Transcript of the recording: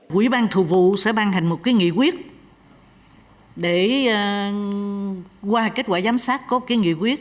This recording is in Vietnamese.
quỹ ban thường vụ sẽ ban hành một cái nghị quyết để qua kết quả giám sát có cái nghị quyết